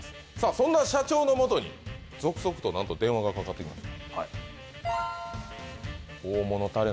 そんな社長のもとに続々となんと電話がかかってきました